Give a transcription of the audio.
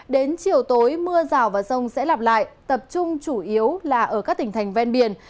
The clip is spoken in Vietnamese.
đến chiều tối mưa rào và rông sẽ lặp lại tập trung chủ yếu là ở các tỉnh thành ven biển